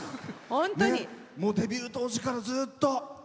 デビュー当時からずっと。